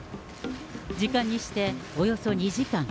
時間にして、およそ２時間。